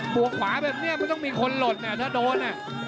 บวกขวาแบบเนี่ยมันต้องมีคนหลดเนี่ยถ้าโดน